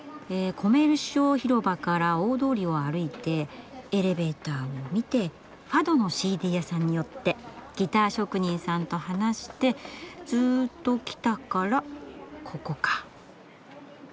「コメルシオ広場」から大通りを歩いて「エレベーター」を見てファドのＣＤ屋さんに寄ってギター職人さんと話してずっと来たからここか。